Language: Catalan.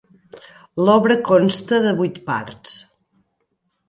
L'obra consta de vuit parts.